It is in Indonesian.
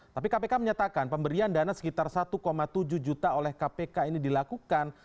tapi kpk menyatakan pemberian dana sekitar satu tujuh juta oleh kpk ini dilakukan